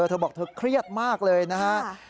เธอบอกเธอเครียดมากเลยนะฮะ